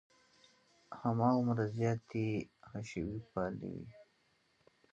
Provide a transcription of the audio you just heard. هماغومره زیاتې حشوي پالې وې.